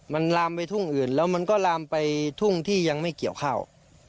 มันลามไปทุ่งอื่นแล้วมันก็ลามไปทุ่งที่ยังไม่เกี่ยวข้าว